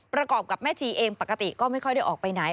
ประกอบกับแม่ชีเองปกติก็ไม่ค่อยได้ออกไปไหน